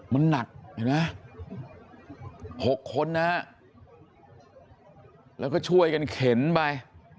มันหนักเห็นไหม๖คนนะฮะแล้วก็ช่วยกันเข็นไป